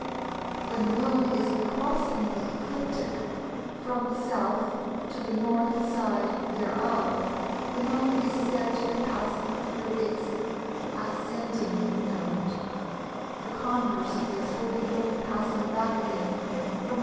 When the Moon is crossing the ecliptic from the S. to the N. side thereof, the Moon is said to be passing through its "Ascending Node" (☊); the converse of this will be the Moon passing back again from the N.